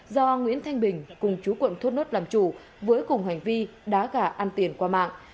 do nguyễn thanh bình cùng chú quận thốt nốt làm chủ với cùng hành vi đá gà ăn tiền qua mạng